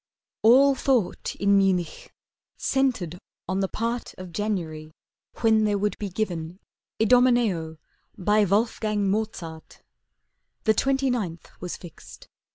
All thought in Munich centered on the part Of January when there would be given 'Idomeneo' by Wolfgang Mozart. The twenty ninth was fixed.